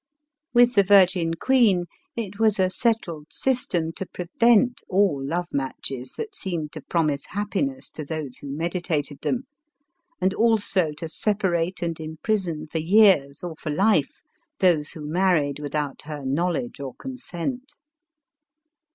With the virgin queen it was a settled sys tem to prevent all love matches that seemed to promise happiness to those who meditated them, and also to separate and imprison for years or for life those who married without her knowledge or consent.